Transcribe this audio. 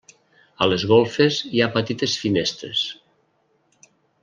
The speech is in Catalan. A les golfes hi ha petites finestres.